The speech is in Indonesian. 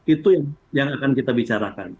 itu yang akan kita bicarakan